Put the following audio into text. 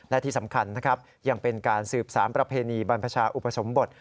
และที่สำคัญนะครับยังเป็นการสืบสารประเพณีบรรพชาอุปสมบท